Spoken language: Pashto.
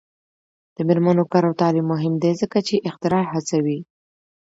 د میرمنو کار او تعلیم مهم دی ځکه چې اختراع هڅوي.